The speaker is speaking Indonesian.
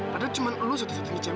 padahal cuma lu satu satunya cewek